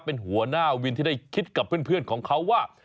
เป็นหัวหน้าวินที่ได้คิดกับเพื่อนของเขาว่า